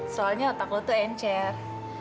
soalnya otak lo tuh encer